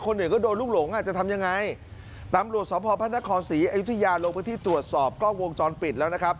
คนอื่นก็โดนลูกหลงอ่ะจะทำยังไงตำรวจสพพระนครศรีอยุธยาลงพื้นที่ตรวจสอบกล้องวงจรปิดแล้วนะครับ